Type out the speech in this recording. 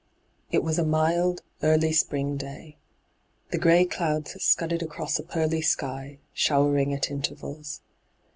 It was a mild, early spring day. The grey clouds scudded across a pearly sky, showering at intervals.